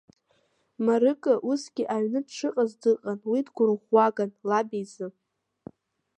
Марыка усгьы аҩны дшыҟац дыҟан, уи дгәырӷәӷәаган лаб изы.